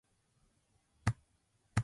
きっといつもそうだった